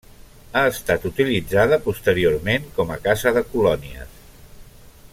Ha estat utilitzada posteriorment com a casa de colònies.